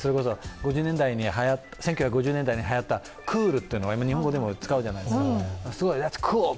例えば１９５０年代にはやったクールというのは今、日本語でも使うじゃないですか